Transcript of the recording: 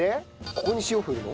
ここに塩振るの？